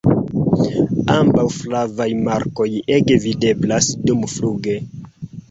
Ambaŭ flavaj markoj ege videblas dumfluge.